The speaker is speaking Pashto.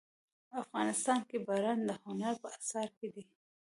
افغانستان کې باران د هنر په اثار کې دي.